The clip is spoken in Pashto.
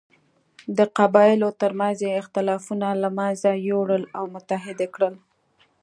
د قبایلو تر منځ یې اختلافونه له منځه یووړل او متحد یې کړل.